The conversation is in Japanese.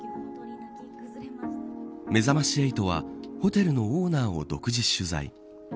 めざまし８はホテルのオーナーを独自取材。